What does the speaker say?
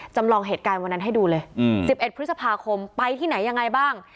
จำลองเหตุการณ์วันนั้นให้ดูเลย๑๑พฤษภาคมไปที่ไหนยังไงบ้าง